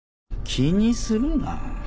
気にするな。